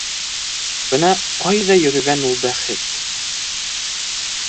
Бына ҡайҙа йөрөгән ул бәхет?